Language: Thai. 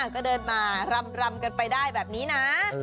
ก็เดินมารำกันไปได้แบบนี้นะ